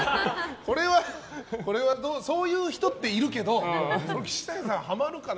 これはそういう人っているけど岸谷さんははまるかな？